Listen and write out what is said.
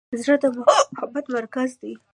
زړه د محبت مرکز دی.